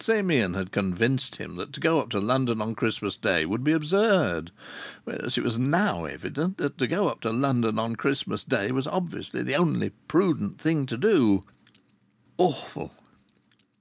Simeon had convinced him that to go up to London on Christmas Day would be absurd, whereas it was now evident that to go up to London on Christmas Day was obviously the only prudent thing to do. Awful!